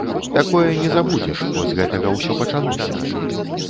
Такое не забудзеш, бо з гэтага ўсё пачалося.